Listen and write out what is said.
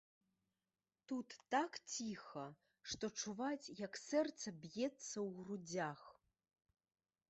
Тут так ціха, што чуваць, як сэрца б'ецца ў грудзях.